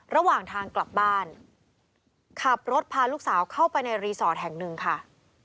ระหว่างทางกลับบ้านขับรถพาลูกสาวเข้าไปในรีสอร์ทแห่งหนึ่งค่ะ